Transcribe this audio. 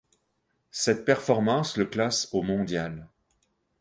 Cette performance le classe au mondial.